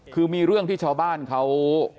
คือมีเรื่องที่ชาวบ้านเขา